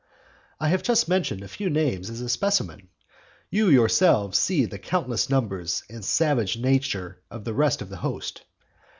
I have just mentioned a few names as a specimen; you yourselves see the countless numbers and savage nature of the rest of the host.